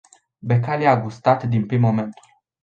Becali a gustat din plin momentul.